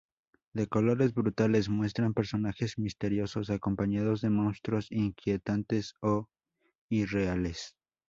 De colores brutales, muestran personajes misteriosos acompañados de monstruos inquietantes o irreales.